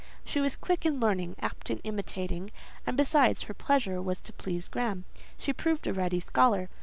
She was quick in learning, apt in imitating; and, besides, her pleasure was to please Graham: she proved a ready scholar.